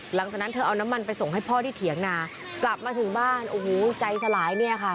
หลังจากนั้นเธอเอาน้ำมันไปส่งให้พ่อที่เถียงนากลับมาถึงบ้านโอ้โหใจสลายเนี่ยค่ะ